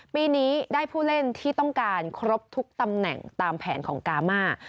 ปีนี้ได้ผู้เล่นที่ต้องการครบทุกตำแหน่งตามแผนของกามา